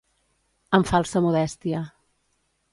Amb falsa modèstia.